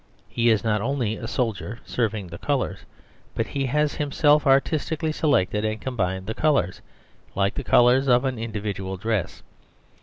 He is not only a soldier serving the colours, but he has himself artistically selected and combined the colours, like the colours of an individual dress.